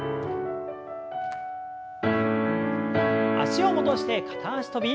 脚を戻して片脚跳び。